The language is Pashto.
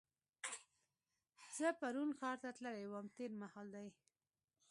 زه پرون ښار ته تللې وم تېر مهال دی.